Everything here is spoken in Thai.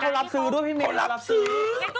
เขารับซื้อด้วยพี่เมียเขารับซื้อเขารับซื้อ